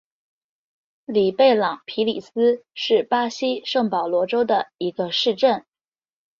里贝朗皮里斯是巴西圣保罗州的一个市镇。